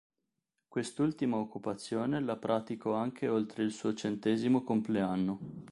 Quest'ultima occupazione la pratico anche oltre il suo centesimo compleanno.